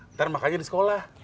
ntar makanya di sekolah